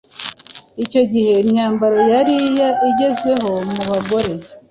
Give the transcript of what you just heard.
Icyo gihe imyambaro yari igezweho mu bagore